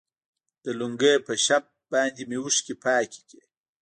د لونگۍ په شف باندې مې اوښکې پاکې کړي.